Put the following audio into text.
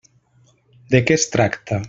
De què es tracta?